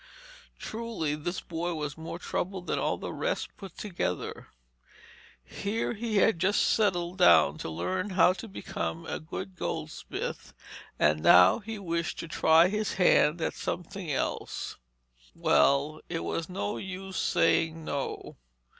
Truly this boy was more trouble than all the rest put together. Here he had just settled down to learn how to become a good goldsmith, and now he wished to try his hand at something else. Well, it was no use saying 'no.'